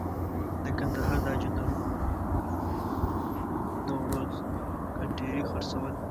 د کندهار د حاجي نوروز کنډیري خرڅول.